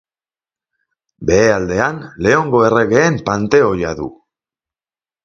Behealdean Leongo erregeen panteoia du.